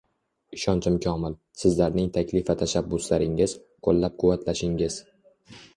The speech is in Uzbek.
Ishonchim komil, Sizlarning taklif va tashabbuslaringiz, qo‘llab-quvvatlashingiz